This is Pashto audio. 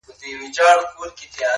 تا ولي په سوالونو کي سوالونه لټوله .